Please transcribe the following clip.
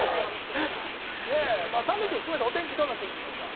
３連休含めたお天気、どうなってるんでしょうか？